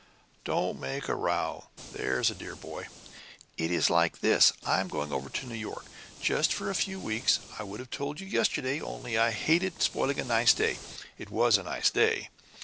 "Don't make a row, there's a dear boy! It is like this: I am going over to New York, just for a few weeks. I would have told you yesterday, only I hated spoiling a nice day. It was a nice day?